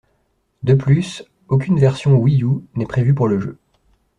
De plus, aucune version Wii U n'est prévue pour le jeu.